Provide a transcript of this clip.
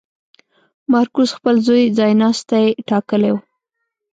مارکوس خپل زوی ځایناستی ټاکلی و.